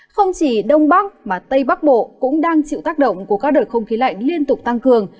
không chỉ đông bắc mà tây bắc bộ cũng đang chịu tác động của các đợt không khí lạnh liên tục tăng cường